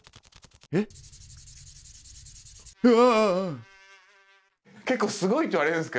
えっ？うわ！